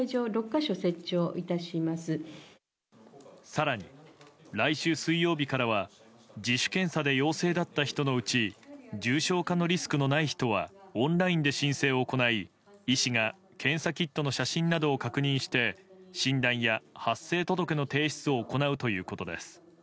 更に、来週水曜日からは自主検査で陽性だった人のうち重症化のリスクのない人はオンラインで申請を行い医師が検査キットの写真などを確認して診断や発生届の提出を行うということです。